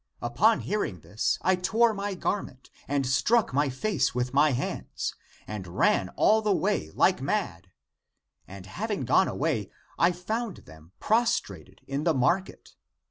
Upon hearing this, I tore my garment, and struck my face with the hands, and ran all the way like mad. And having gone away, I found them prostrated in the market.